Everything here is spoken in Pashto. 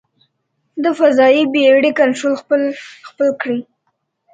د فضايي بېړۍ کنټرول خپل کړي.